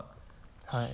はい。